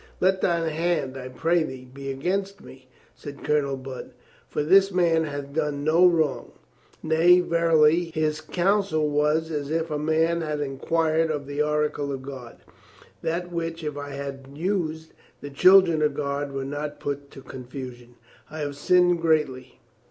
" 'Let thine hand, I pray thee, be against me,' " said Colonel Budd. "For this man hath done no wrong. Nay, verily, his counsel was as if a man had enquired of the oracle of God. The which, if I had used, the children of God were not put to con fusion. I have sinned greatly.